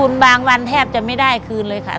บางวันแทบจะไม่ได้คืนเลยค่ะ